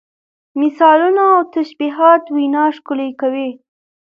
مثالونه او تشبیهات وینا ښکلې کوي.